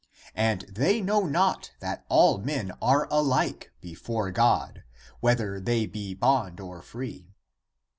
<And they know not that all men are alike before God,> whether they be bond or free.